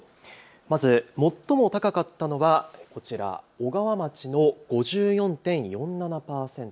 まず最も高かったのはこちら小川町の５４．４７％。